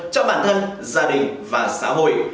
cho bản thân gia đình và xã hội